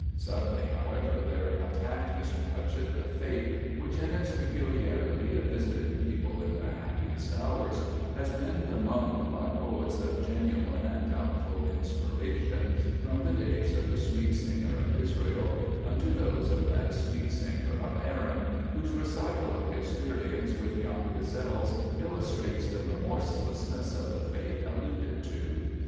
Suddenly, however, there attacked Mr. Putchett the fate which, in its peculiarity of visiting people in their happiest hours, has been bemoaned by poets of genuine and doubtful inspiration, from the days of the sweet singer of Israel unto those of that sweet singer of Erin, whose recital of experience with young gazelles illustrates the remorselessness of the fate alluded to.